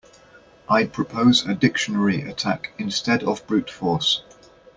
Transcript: I'd propose a dictionary attack instead of brute force.